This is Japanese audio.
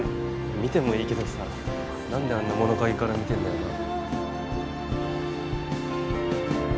見てもいいけどさ何であんな物陰から見てんだよな？